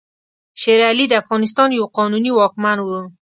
شېر علي د افغانستان یو قانوني واکمن وو.